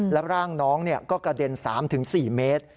แล้วร่างน้องก็กระเด็น๓๔เมตร